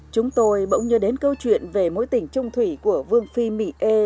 chúng tôi bỗng nhớ đến câu chuyện về mối tỉnh trung thủy của vương phi mỹ ê